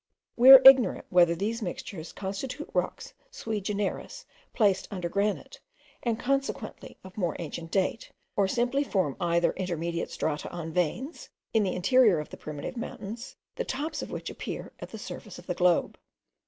We are ignorant whether these mixtures constitute rocks sui generis placed under granite, and consequently of more ancient date; or simply form either intermediate strata on veins, in the interior of the primitive mountains, the tops of which appear at the surface of the globe.)